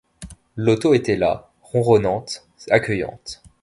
L’auto était là, ronronnante, accueillante.